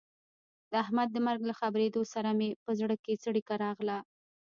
د احمد د مرګ له خبرېدو سره مې په زړه کې څړیکه راغله.